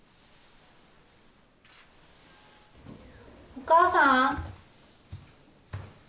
・お母さん！